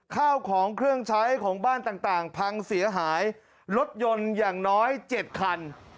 ข้าวของเครื่องใช้ของบ้านต่างพังเสียหายรถยนต์อย่างน้อย๗คัน